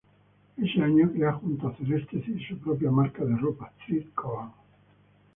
Ese año crea junto a Celeste Cid su propia marca de ropa "Cid Kohan".